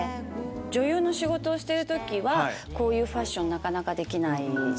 女優の仕事をしてる時はこういうファッションできない。